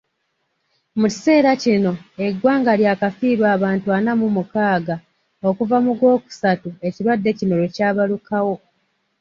Mu kiseera kino eggwanga lyakafiirwa abantu ana mu mukaaga okuva mu gw'okusatu ekirwadde kino lwe kyabalukawo.